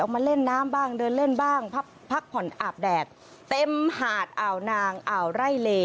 มาเล่นน้ำบ้างเดินเล่นบ้างพักผ่อนอาบแดดเต็มหาดอ่าวนางอ่าวไร่เล